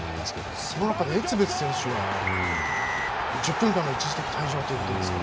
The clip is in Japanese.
その中でエツベス選手が１０分間の一時的退場です。